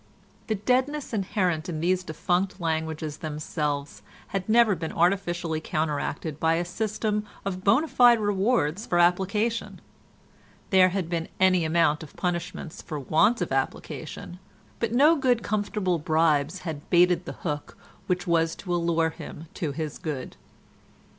The deadness inherent in these defunct languages themselves had never been artificially counteracted by a system of bona fide rewards for application. There had been any amount of punishments for want of application, but no good comfortable bribes had baited the hook which was to allure him to his good.